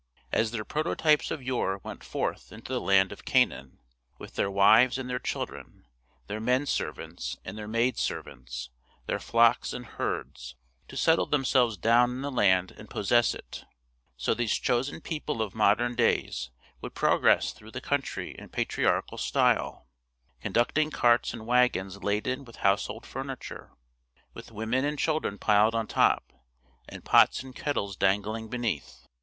As their prototypes of yore went forth into the land of Canaan, with their wives and their children, their men servants and their maid servants, their flocks and herds, to settle themselves down in the land and possess it; so these chosen people of modern days would progress through the country in patriarchal style, conducting carts and waggons laden with household furniture, with women and children piled on top, and pots and kettles dangling beneath.